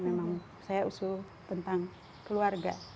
memang saya usul tentang keluarga